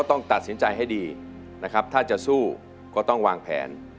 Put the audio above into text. ถ้าจะสู้ก็ต้องวางแผน